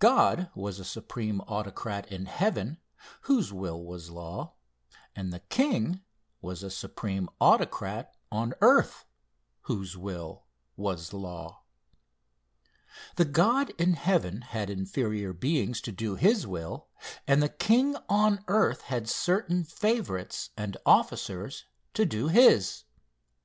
God was a supreme autocrat in heaven, whose will was law, and the king was a supreme autocrat on earth whose will was law. The God in heaven had inferior beings to do his will, and the king on earth had certain favorites and officers to do his.